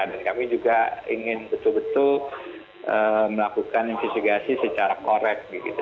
dan kami juga ingin betul betul melakukan investigasi secara correct